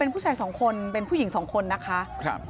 ตอนนี้ก็ไม่มีอัศวินทรีย์ที่สุดขึ้นแต่ก็ไม่มีอัศวินทรีย์ที่สุดขึ้น